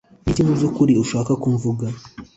niki mubyukuri ushaka ko mvuga